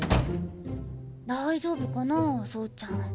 大丈夫かな走ちゃん。